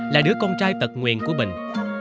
là đứa con trai tật nguyền của bình